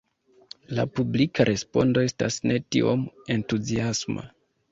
La publika respondo estas ne tiom entuziasma.